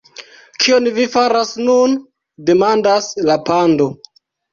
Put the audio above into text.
"Kion vi faras nun?" demandas la pando.